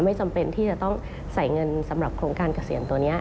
ไม่จำเป็นที่จะต้องใส่เงินสำหรับโครงการเกษียณตัวนี้